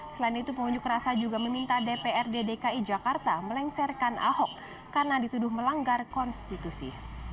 selain itu pengunjuk rasa juga meminta dprd dki jakarta melengsarkan ahok karena dituduh melanggar konstitusi